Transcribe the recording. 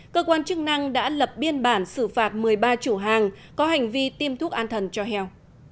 cơ quan chức năng đã lập biên bản xử phạt một mươi ba chủ hàng có hành vi tiêm thuốc an thần cho heo